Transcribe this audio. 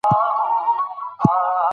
ایا مشاوران سلا ورکوي؟